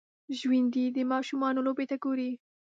ژوندي د ماشومانو لوبو ته ګوري